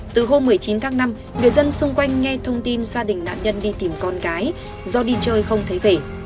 từ hôm một mươi chín tháng năm người dân xung quanh nghe thông tin gia đình nạn nhân đi tìm con gái do đi chơi không thấy về